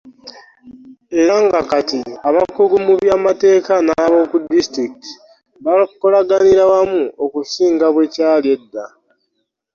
Era nga kati abakungu mu byamateeka naab’oku disitulikiti bakolaganira wamu okusinga bwe kyali edda.